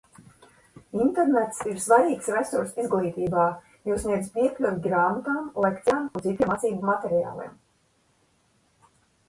Internets ir svarīgs resurss izglītībā, jo sniedz piekļuvi grāmatām, lekcijām un citiem mācību materiāliem.